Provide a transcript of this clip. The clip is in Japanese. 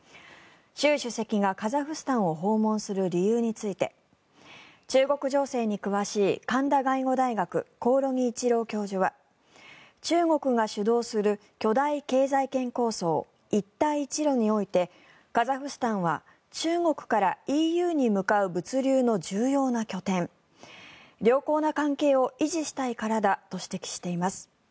習主席がカザフスタンを訪問する理由について中国情勢に詳しい神田外語大学、興梠一郎教授は中国が主導する巨大経済圏構想一帯一路においてカザフスタンは中国からＥＵに向かう物流の重要な拠点良好な関係を維持したいからだと指摘しています。